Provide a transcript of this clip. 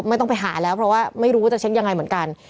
ไม่ต้องไปหาแล้วเพราะว่าไม่รู้ว่าจะเช็คยังไงเหมือนกัน